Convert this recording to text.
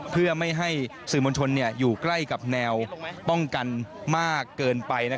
เพื่อไม่ให้สื่อมวลชนอยู่ใกล้กับแนวป้องกันมากเกินไป